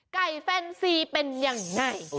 ไก่แฟนซีเป็นอย่างไร